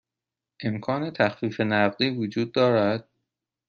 امکان تخفیف نقدی وجود دارد؟